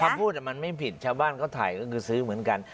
คำพูดมันไม่ผิดชาวบ้านเขาถ่ายก็คือซื้อเหมือนกัน